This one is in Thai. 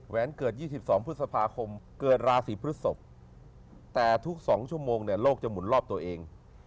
แวนเกิด๒๒พฤษภาคมเกิดราศีพฤษภแต่ทุกสองชั่วโมงโลกจะหมุนรอบตัวเอง